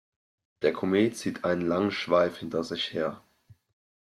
Der Komet zieht einen langen Schweif hinter sich her.